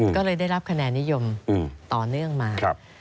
ก็เลยได้รับคะแนนนิยมต่อเนื่องมา